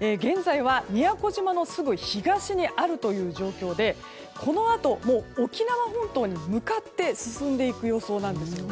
現在は宮古島のすぐ東にあるという状況でこのあと、沖縄本島に向かって進んでいく予想なんですよね。